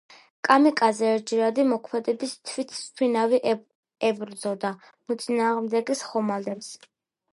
კამიკაძე ერთჯერადი მოქმედების თვითმფრინავით ებრძოდა მოწინააღმდეგის ხომალდებს.